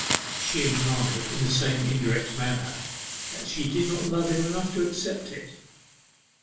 She implied in the same indirect manner that she did not love him enough to accept it.